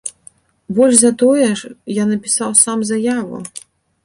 Больш за тое, я напісаў сам заяву.